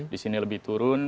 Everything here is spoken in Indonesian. di sini lebih turun